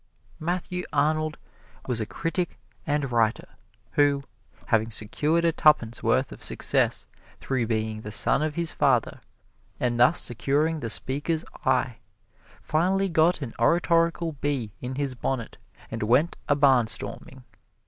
Matthew Arnold was a critic and writer who, having secured a tuppence worth of success through being the son of his father, and thus securing the speaker's eye, finally got an oratorical bee in his bonnet and went a barnstorming.